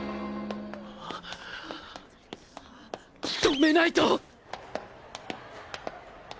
止めないと！